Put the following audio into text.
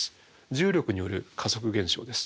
重力による加速現象です。